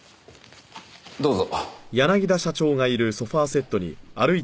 どうぞ。